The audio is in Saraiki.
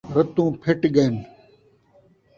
رتوں پھٹ ڳن